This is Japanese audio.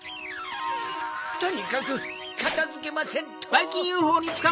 とにかくかたづけませんと。